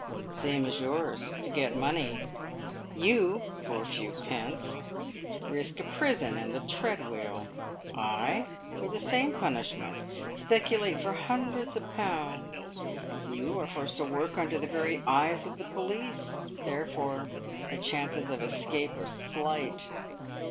The same as yours — to get money. You, for a few pence, risk a prison and the treadwheel. I, for the same punishment, specu late for hundreds of pounds. You are forced to work under the very eyes of the police, therefore, the chances of escape are slight.